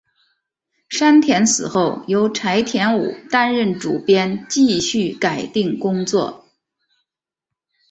山田死后由柴田武担任主编继续改订工作。